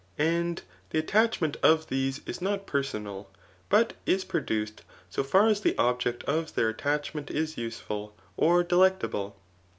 And the attach ment of these is not personal, but is produced so far as the object of their attachment is useful or delectable.